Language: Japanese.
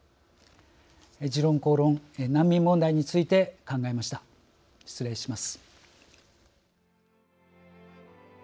「時論公論」難民問題について考えました。